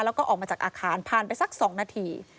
แล้วก็ออกมาจากอาคารผ่านไปสัก๒นาที